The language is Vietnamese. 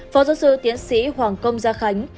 phó giáo sư tiến sĩ hoàng công gia khánh